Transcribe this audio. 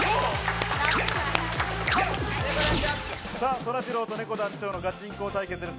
そらジローとねこ団長のガチンコ対決です。